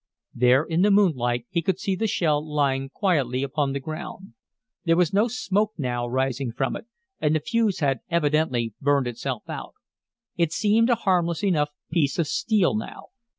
There in the moonlight he could see the shell lying quietly upon the ground. There was no smoke now rising from it, and the fuse had evidently burned itself out. It seemed a harmless enough piece of steel now.